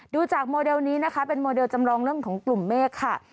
ดูจากโมเดลนี้นะคะเป็นโมเดลจำลองเรื่องของกลุ่มเมฆค่ะ